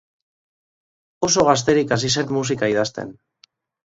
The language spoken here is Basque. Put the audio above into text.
Oso gazterik hasi zen musika idazten.